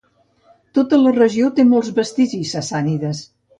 Tota la regió té molts vestigis sassànides.